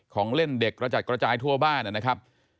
ของเล่นเด็กกระจัดกระจายทั่วบ้านนะครับ